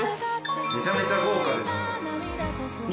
めちゃめちゃ豪華ですね。